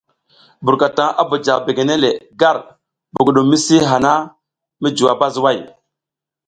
Burkataŋ a bunja begene le nga ar budugum misi baha mi juwa bazuway.